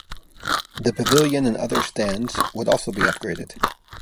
The pavilion and other stands would also be upgraded.